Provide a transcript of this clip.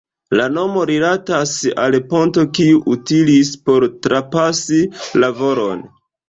La nomo rilatas al ponto kiu utilis por trapasi la valon.